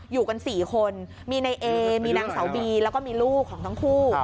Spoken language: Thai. อยู่กัน๔คนมีในเอมีนางเสาบีแล้วก็มีลูกของทั้งคู่